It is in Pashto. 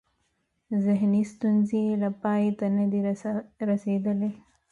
ذهني ستونزې یې لا پای ته نه دي رسېدلې.